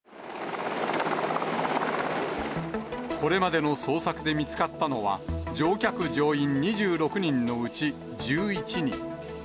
これまでの捜索で見つかったのは、乗客・乗員２６人のうち、１１人。